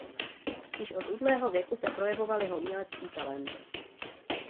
Již od útlého věku se projevoval jako umělecký talent.